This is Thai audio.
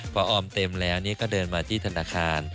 พอออมเต็มแล้วก็เดินมาที่ธนาคาร